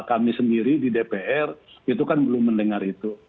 kami sendiri di dpr itu kan belum mendengar itu